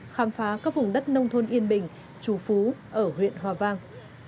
khám phá các vùng đất nông thôn yên bình trù phú ở huyện hòa vang